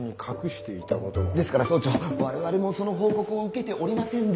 ですから総長我々もその報告を受けておりませんで。